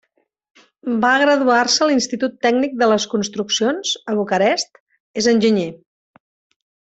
Va graduar-se a l'Institut Tècnic de les Construccions, a Bucarest, és enginyer.